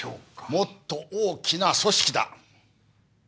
もっと大きな組織だ。